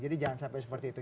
jadi jangan sampai seperti itu